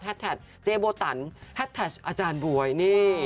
แท็กเจโบตันแฮดแท็กอาจารย์บ๊วยนี่